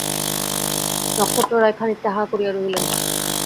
নক্ষত্ররায় খানিকটা হাঁ করিয়া রহিলেন।